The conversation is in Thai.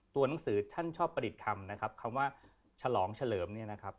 หนังสือท่านชอบประดิษฐ์คำนะครับคำว่าฉลองเฉลิมเนี่ยนะครับ